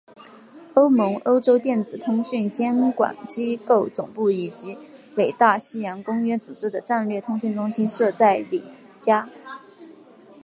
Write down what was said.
欧盟欧洲电子通讯监管机构总部以及北大西洋公约组织的战略通讯中心设在里加。